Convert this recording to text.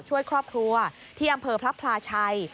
ช่วยครอบครัวที่อำเภอพระพลาชัย